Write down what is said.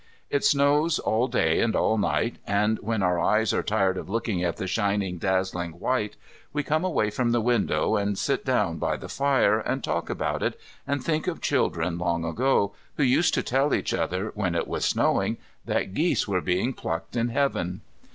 It snows all day and all night, and when our eyes are tired of looking at the shining dazzling white, we come away from the window and sit down by the fire, and talk about it, and think of children long ago, who used to tell each other, when it was snowing, that geese were being plucked in Heaven.